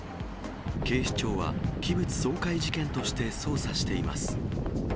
警視庁は、器物損壊事件として捜査しています。